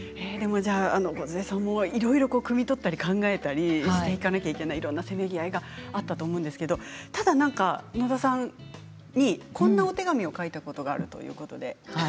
こづえさんもいろいろくみ取ったり考えてりしていかなくてはいけない、せめぎ合いがあったと思うんですがただ何か野田さんにこんなお手紙を書いたことがあるということですね。